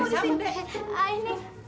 hei mau disini